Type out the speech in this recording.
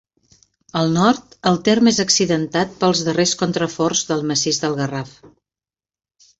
Al nord, el terme és accidentat pels darrers contraforts del massís del Garraf.